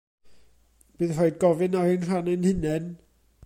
Bydd rhaid gofyn ar ein rhan ein hunain.